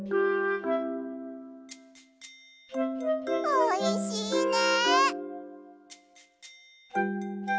おいしいね。